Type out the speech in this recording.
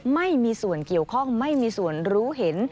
ไม่มีส่วนเกี่ยวข้องไม่มีส่วนรู้เห็น